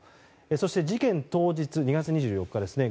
そして事件当日２月２４日ですね。